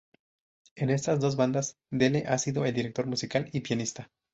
En estas dos bandas, Dele ha sido el director musical y pianista.